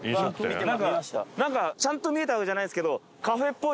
なんかちゃんと見えたわけじゃないですけど。